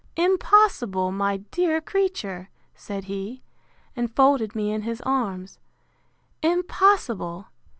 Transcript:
Impossible, my dear creature! said he, and folded me in his arms: Impossible!